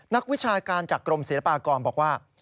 นักวิชาการจากกรมศิลปากรบอกว่า